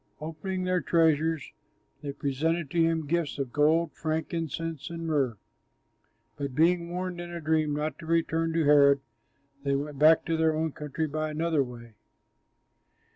Opening their treasures they presented to him gifts of gold, frankincense and myrrh. But being warned in a dream not to return to Herod, they went back to their own country by another way.